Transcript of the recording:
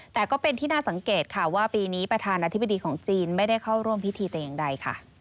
แต่ก็เป็นที่น่าสังเกตค่ะว่าปีนี้ประธานาธิบดีของจีนไม่ได้เข้าร่วมพิธีแต่อย่างใดค่ะ